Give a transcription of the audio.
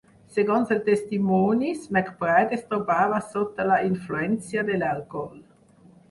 Segons els testimonis, McBride es trobava sota la influència de l'alcohol.